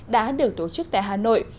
đã được tổ chức tại hà nội